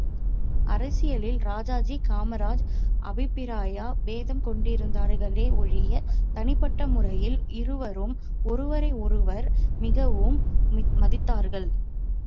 அரசியலில் ராஜாஜி காமராஜ் அபிப்பிராய பேதம் கொண்டிருந்தார்களே ஒழிய, தனிப்பட்ட முறையில் இருவரும் ஒருவரை ஒருவர் மிகவும் மதித்தார்கள்.